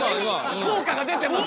効果が出てます。